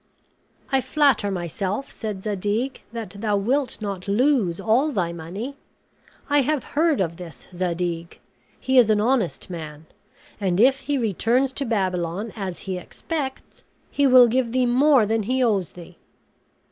"I flatter myself," said Zadig, "that thou wilt not lose all thy money. I have heard of this Zadig; he is an honest man; and if he returns to Babylon, as he expects, he will give thee more than he owes thee.